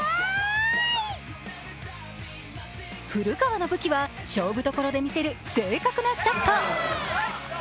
古川の武器は、勝負どころで見せる正確なショット。